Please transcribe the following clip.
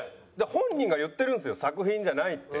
本人が言ってるんですよ作品じゃないって。